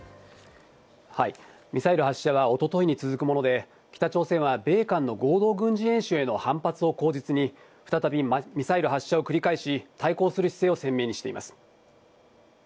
ミサイル発射は一昨日に続くもので、北朝鮮は米韓の合同軍事演習への反発を口実に、再びミサイル発射を繰り返し、対抗する姿勢を鮮明にしています。